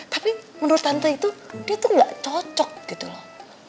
tapi menurut tante itu dia tuh gak cocok gitu loh